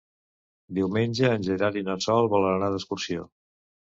Diumenge en Gerard i na Sol volen anar d'excursió.